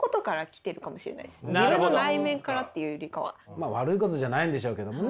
まあ悪いことじゃないんでしょうけどもね。